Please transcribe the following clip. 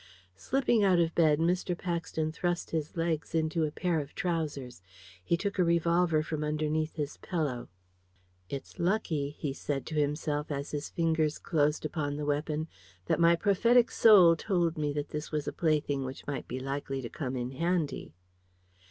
Slipping out of bed, Mr. Paxton thrust his legs into a pair of trousers. He took a revolver from underneath his pillow. "It's lucky," he said to himself, as his fingers closed upon the weapon, "that my prophetic soul told me that this was a plaything which might be likely to come in handy."